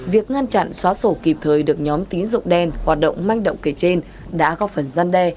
việc ngăn chặn xóa sổ kịp thời được nhóm tín dụng đen hoạt động manh động kể trên đã góp phần gian đe